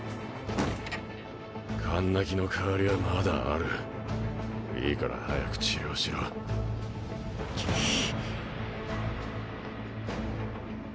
カンナギの代わりはまだあるいいから早く治療しろくっ！